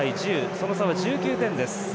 その差は１９点です。